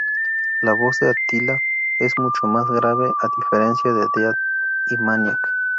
La voz de Attila es mucho más grave a diferencia de Dead y Maniac.